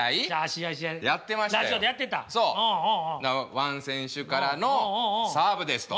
ワン選手からのサーブですと。